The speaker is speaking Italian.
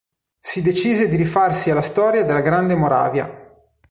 Si decise di rifarsi alla storia della Grande Moravia.